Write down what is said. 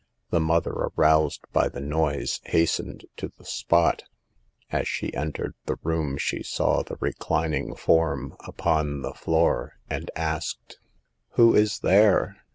The mother, aroused by the noise, hastened to the spot As she en tered the room she saw the reclining form upon the floor, and asked : 118 SAVE THE GIKLS. « Who is there